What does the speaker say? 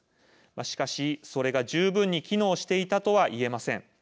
しかし、それが十分に機能していたとは言えません。